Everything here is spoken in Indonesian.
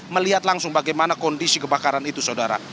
melihat langsung bagaimana kondisi kebakaran itu saudara